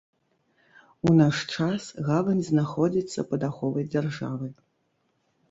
У наш час гавань знаходзіцца пад аховай дзяржавы.